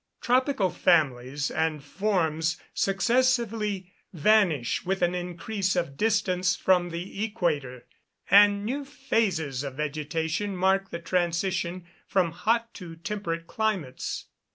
Tropical families and forms successively vanish with an increase of distance from the equator, and new phases of vegetation mark the transition from hot to temperate climates.